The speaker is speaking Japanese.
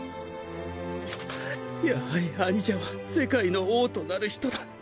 やはり兄者は世界の王となる人だ。